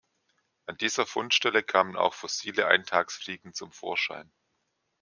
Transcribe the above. An dieser Fundstelle kamen auch fossile Eintagsfliegen zum Vorschein.